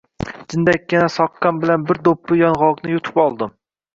Jimitdekkina soqqam bilan bir do‘ppi yong‘oqni yutib oldim.